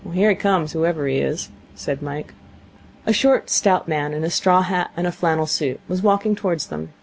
'Here he comes, whoever he is,' said Mike. A short, stout man in a straw hat and a flannel suit was walking towards them.